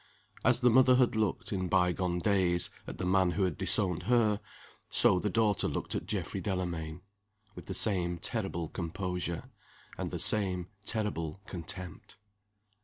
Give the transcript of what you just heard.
As the mother had looked, in by gone days, at the man who had disowned her, so the daughter looked at Geoffrey Delamayn with the same terrible composure, and the same terrible contempt.